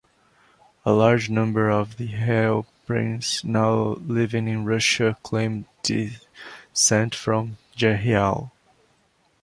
A large number of the Heilprins now living in Russia claim descent from Jehiel.